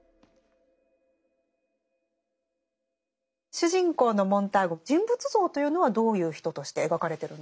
主人公のモンターグ人物像というのはどういう人として描かれてるんですか？